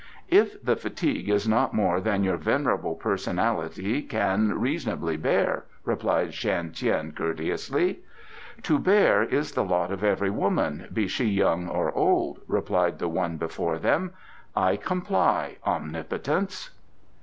"If the fatigue is not more than your venerable personality can reasonably bear," replied Shan Tien courteously. "To bear is the lot of every woman, be she young or old," replied the one before them. "I comply, omnipotence."